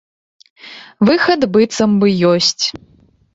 Выхад быццам бы ёсць.